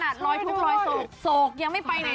อ่านมีพับเลย